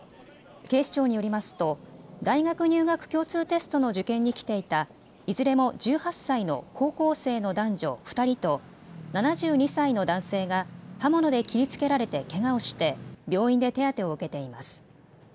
警視庁によりますと大学入学共通テストの受験に来ていたいずれも１８歳の高校生の男女２人と７２歳の男性が刃物で切りつけられてけがをして病院で手当てを受けています。